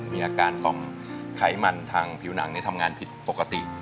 มีอาการต่อมไขมันทางผิวหนังทำงานผิดปกติ